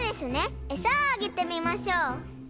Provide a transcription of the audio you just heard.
えさをあげてみましょう。